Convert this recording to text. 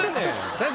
先生！